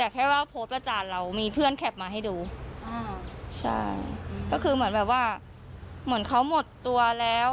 ก็คือเหมือนแบบว่าเหมือนเค้าหมดตัวแล้ว